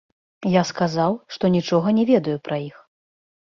Я сказаў, што нічога не ведаю пра іх.